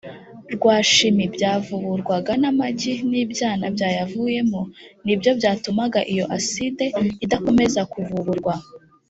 rwa shimi byavuburwaga n amagi n ibyana byayavuyemo ni byo byatumaga iyo aside idakomeza kuvuburwa